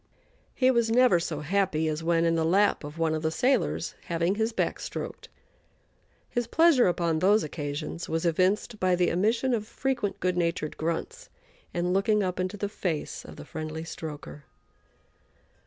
He was never so happy as when in the lap of one of the sailors, having his back stroked. His pleasure upon those occasions was evinced by the emission of frequent good natured grunts and looking up into the face of the friendly stroker.